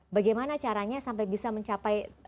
bagaimana caranya sampai bisa mencapai